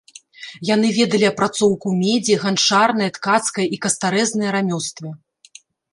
Яны ведалі апрацоўку медзі, ганчарнае, ткацкае і кастарэзнае рамёствы.